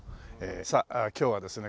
さあ今日はですね